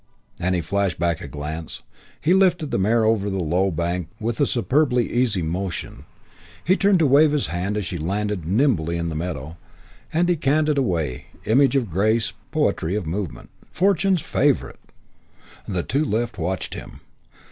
And he flashed back a glance. He lifted the mare over the low bank with a superbly easy motion. He turned to wave his hand as she landed nimbly in the meadow, and he cantered away, image of grace, poetry of movement. Fortune's favourite! The two left watched him.